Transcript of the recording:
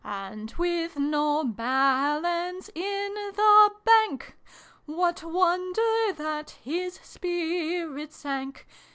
And, with no balance in the Bank, What wonder that his spirits sank?